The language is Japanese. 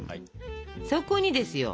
そこにですよ。